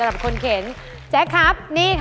อุปกรณ์ทำสวนชนิดใดราคาถูกที่สุด